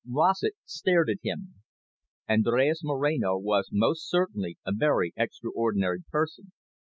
Rossett stared at him. Andres Moreno was most certainly a very extraordinary person.